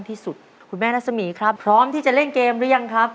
ที่สุดคุณแม่รัศมีครับพร้อมที่จะเล่นเกมหรือยังครับ